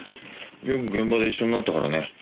よく現場で一緒になったからね。